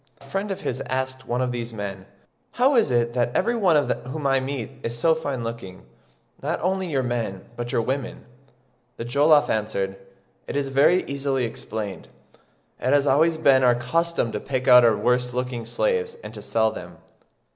A friend of his asked one of these men, "How is it that every one whom I meet is so fine looking, not only your men but your women?" The Jollof answered, "It is very easily explained: it has always been our custom to pick out our worst looking slaves and to sell them."